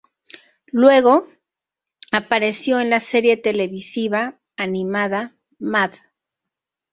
Luego, apareció en la serie televisiva animada "Mad".